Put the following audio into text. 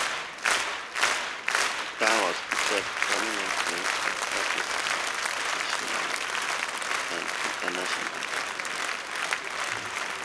The town was featured prominently in publicity nationally and internationally.